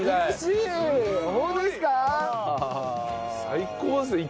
最高ですね。